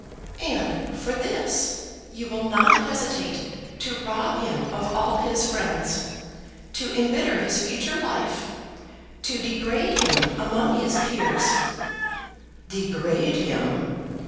"And for this you will not hesitate to rob him of all his friends, to embitter his future life, to degrade him among his peers, " "Degrade him!